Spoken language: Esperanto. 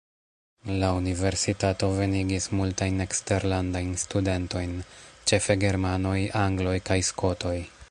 La universitato venigis multajn eksterlandajn studentojn, ĉefe germanoj, angloj kaj skotoj.